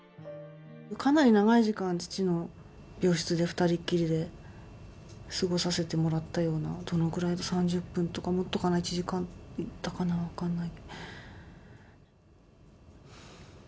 かなり長い時間、父の病室で２人っきりで過ごさせてもらったような、どのくらい、３０分とかもっとかな、１時間だったかな、分かんない。